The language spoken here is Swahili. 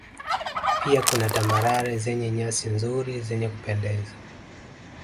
Pia kuna Tambarare zenye nyasi nzuri zenye kupendeza